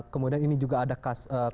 kemudian ini juga ada kasus yang